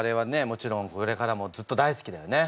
もちろんこれからもずっと大好きだよね？